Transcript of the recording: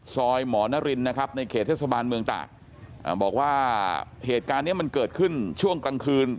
ซอยหมอนรินนะครับในเขตเทศบาลเมืองตากบอกว่าเหตุการณ์เนี้ยมันเกิดขึ้นช่วงกลางคืน